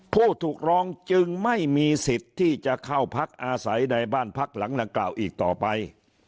ผู้ถูกร้องจึงไม่มีสิทธิ์ที่จะเข้าพักอาศัยในบ้านพักหลังดังกล่าวอีกต่อไป